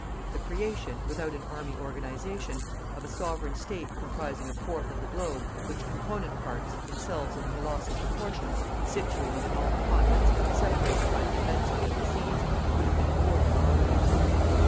The creation, without an army organization, of a Sovereign State comprising a fourth of the Globe, which component parts, themselves of colossal proportions, situated in all the continents, separated by the immensity of the seas, would have been more than marvellous.